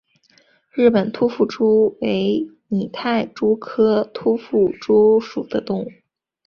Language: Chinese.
日本突腹蛛为拟态蛛科突腹蛛属的动物。